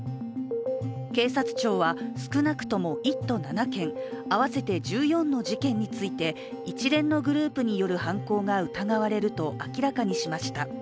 警察庁は少なくとも１都７県、合わせて１４の事件について一連のグループによる犯行が疑われると明らかにしました。